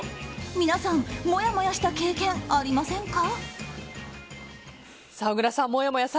皆さん、もやもやした経験ありませんか？